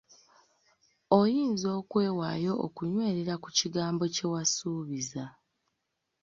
Oyinza okwewaayo okunywerera ku kigambo kye wasuubiza.